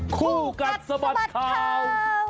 คู่กัดสะบัดข่าว